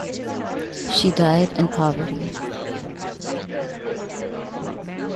She died in poverty.